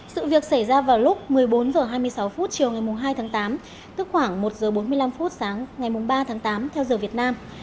sự việc xảy ra vào lúc một mươi bốn h hai mươi sáu phút chiều ngày hai tháng tám tức khoảng một h bốn mươi năm phút sáng ngày ba tháng tám theo giờ việt nam